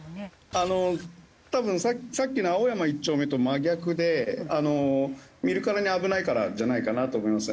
あの多分さっきの青山一丁目と真逆で見るからに危ないからじゃないかなと思います。